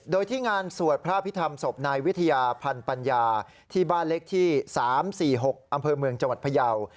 โดยที่งานสวดพระอภิษฐรรมศพนายวิทยาพันธัญญาที่บ้านเล็กที่๓๔๖อำเภอเมืองจังหวัดพยาว